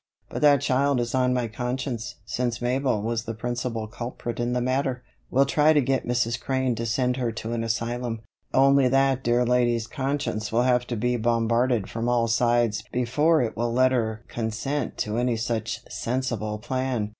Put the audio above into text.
But that child is on my conscience, since Mabel was the principal culprit in the matter. We'll try to get Mrs. Crane to send her to an asylum; only that dear lady's conscience will have to be bombarded from all sides before it will let her consent to any such sensible plan.